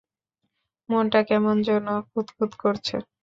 মনটা কেমন যেন খুঁতখুঁত করছে।